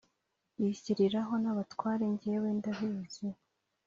bishyiriraho n’abatware jyewe ntabizi.